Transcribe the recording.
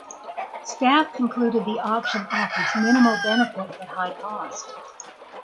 Staff concluded the option offers minimal benefit but high cost.